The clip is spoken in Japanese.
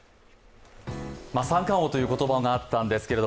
三冠王という言葉もあったんですけど